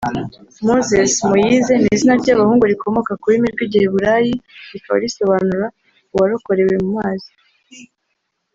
Moses/Moïse ni izina ry’abahungu rikomoka ku rurimi rw’Igiheburayi rikaba risobanura “Uwarokorewe mu mazi